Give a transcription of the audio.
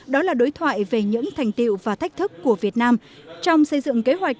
đó là đối thoại về những thành tiệu và thách thức của việt nam trong xây dựng kế hoạch